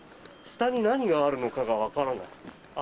下に何があるのかがわからない。